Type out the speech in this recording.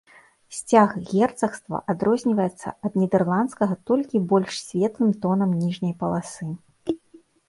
Сцяг герцагства адрозніваецца ад нідэрландскага толькі больш светлым тонам ніжняй паласы.